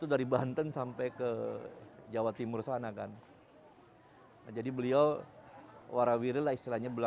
artinya kalau kita bicara pesisir utara jawa